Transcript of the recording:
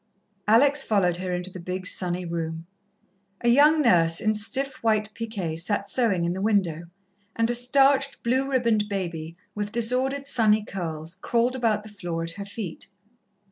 Alex followed her into the big, sunny room. A young nurse, in stiff white piqué, sat sewing in the window, and a starched, blue ribboned baby, with disordered, sunny curls, crawled about the floor at her feet.